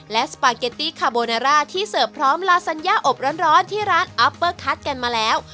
และสปาเกตตี้คาโบนาร่าที่เสิร์ฟพร้อมลาสัญญาอบร้อนที่ร้านอัปเปอร์คัสกันมาแล้ว